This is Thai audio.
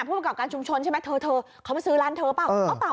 ผู้ประกอบการชุมชนใช่ไหมเธอเขามาซื้อร้านเธอเปล่า